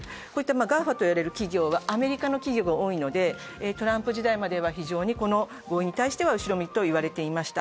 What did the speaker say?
ＧＡＦＡと言われる企業はアメリカの企業が多いのでトランプ時代までは非常に合意に対しては後ろ向きと言われていました。